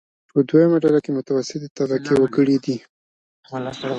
په دویمه ډله کې متوسطې طبقې وګړي دي.